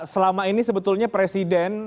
selama ini sebetulnya presiden